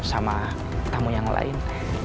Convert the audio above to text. sama tamu yang lain